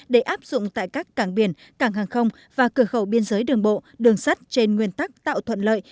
để áp dụng tại các cảng biển cảng hàng không và cửa khẩu biên giới đường bộ đường sắt trên nguyên tắc tạo thuận lợi